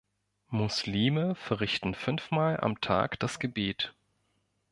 Muslime verrichten fünfmal am Tag das Gebet.